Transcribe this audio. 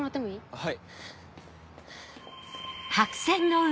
はい。